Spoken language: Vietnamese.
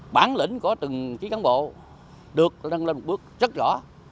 bản lĩnh của từng chí cán bộ được nâng lên một bước rất rõ